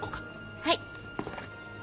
はい。